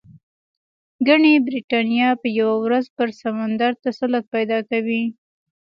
ګنې برېټانیا به یوه ورځ پر سمندر تسلط پیدا کوي.